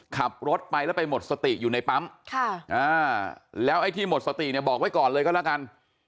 ขับรถไปแล้วไปหมดสติอยู่ในปั๊มแล้วไอ้ที่หมดสติเนี่ยบอกไว้ก่อนเลยก็แล้วกัน